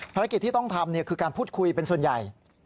ภารกิจที่ต้องทำคือการพูดคุยเป็นส่วนใหญ่